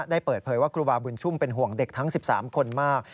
เปิดเผยว่าครูบาบุญชุ่มเป็นห่วงเด็กทั้ง๑๓คนมาก